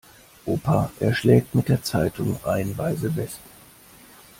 Opa erschlägt mit der Zeitung reihenweise Wespen.